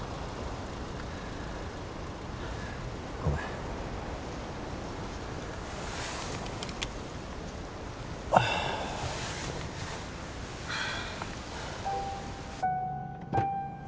ごめんああはあ